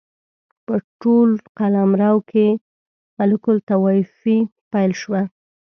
په ټول قلمرو کې ملوک الطوایفي پیل شوه.